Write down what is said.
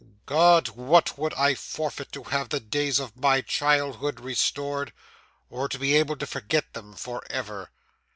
God! what would I forfeit to have the days of my childhood restored, or to be able to forget them for ever!